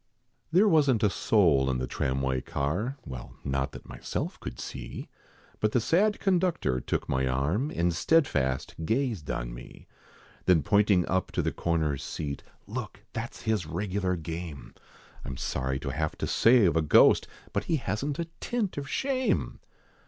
THERE wasn't a soul in the tramway car, Well not that myself could see, But the sad conductor took my arm, And steadfast gazed on me Then pointing up to the corner seat, "Look! that's his regular game, I'm sorry to have it to say of a ghost, But he hasn't a tint of shame!"